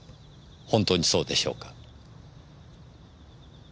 本当にそうでしょうか？